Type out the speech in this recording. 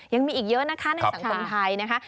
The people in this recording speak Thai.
ยังมีอีกเยอะนะคะในสังคมไทยนะคะ